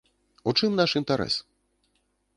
У чым наш інтарэс?